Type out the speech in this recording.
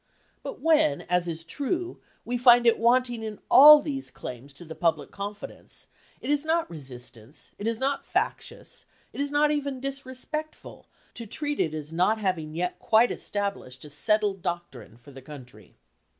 But when, as is true, we find it wanting in all these claims to the public confidence, it is not resistance, it is not factious, it is not even disrespectful, to treat it as not having yet quite established a settled doctrine for the country."